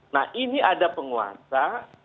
nah ini ada penguasa